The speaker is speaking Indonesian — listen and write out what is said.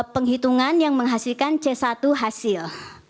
penghitungan yang menghasilkan c satu hasil